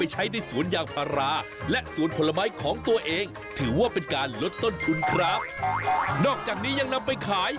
หลังจากมีไหม